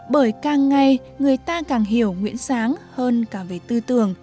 bởi càng ngày người ta càng hiểu nguyễn sáng hơn cả về tư tưởng